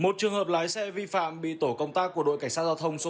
một trường hợp lái xe vi phạm bị tổ công tác của đội cảnh sát giao thông số một